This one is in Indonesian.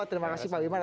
terima kasih pak wiman